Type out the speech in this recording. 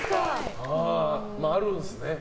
あるんですね。